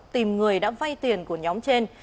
tìm người đã vay tiền của nhóm trên